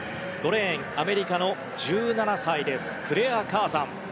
５レーンアメリカの１７歳クレア・カーザン。